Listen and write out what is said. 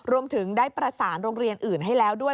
รวมถึงได้ประสานโรงเรียนอื่นให้แล้วด้วย